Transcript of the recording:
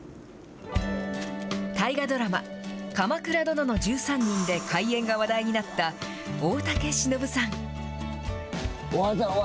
大河ドラマ、鎌倉殿の１３人で怪演が話題になった大竹しのぶさん。